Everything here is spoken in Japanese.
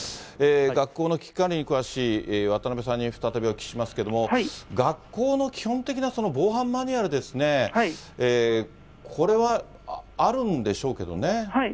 学校の危機管理に詳しい渡邉さんに再びお聞きしますけれども、学校の基本的な防犯マニュアルですね、これはあるんでしょうけどね。